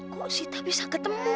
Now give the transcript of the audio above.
kok sita bisa ketemu